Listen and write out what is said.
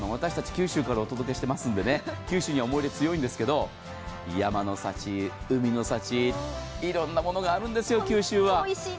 九州からお届けしていますので九州には思い入れ強いんですけれども、山の幸、海の幸、いろんなものがあるんですよ、九州は。